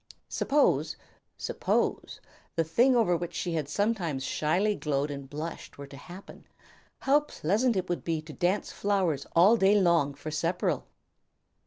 Suppose suppose the thing over which she had sometimes shyly glowed and blushed were to happen, how pleasant it would be to dance flowers all day long for Sepperl!